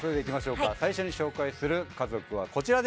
最初に紹介する家族はこちらです！